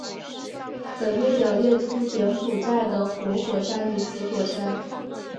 本列表列出柬埔寨的活火山与死火山。